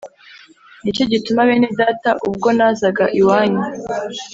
Ni Cyo Gituma Bene Data Ubwo Nazaga Iwanyu